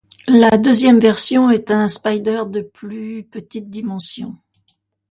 La deuxième version est un spider de plus petites dimensions.